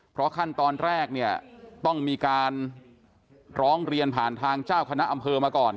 เพราะขั้นตอนแรกเนี่ยต้องมีการร้องเรียนผ่านทางเจ้าคณะอำเภอมาก่อน